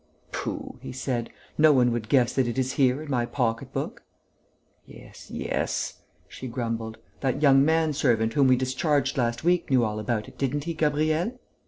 "Pooh!" he said. "No one would guess that it is here, in my pocket book." "Yes, yes," she grumbled. "That young man servant whom we discharged last week knew all about it, didn't he, Gabriel?"